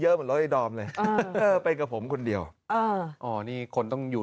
เหมือนรถไอ้ดอมเลยเออไปกับผมคนเดียวอ่าอ๋อนี่คนต้องอยู่